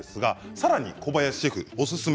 さらに小林シェフおすすめ